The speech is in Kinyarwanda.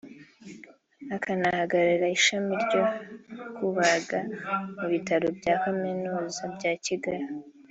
akanahagararira ishami ryo kubaga mu Bitaro bya Kaminuza bya Kigali